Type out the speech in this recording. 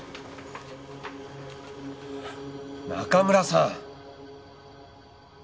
中村さん。